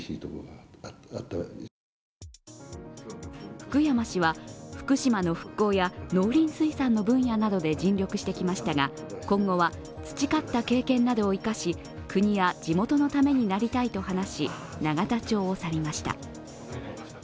福山氏は福島の復興や農林水産の分野などで尽力してきましたが今後は培った経験などを生かし国や地元のためになりたいと話し永田町を去りました。